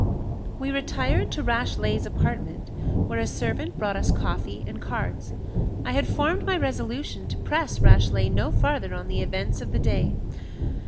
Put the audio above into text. We retired to Rashleigh's apartment, where a servant brought us coffee and cards. I had formed my resolution to press Rashleigh no farther on the events of the day.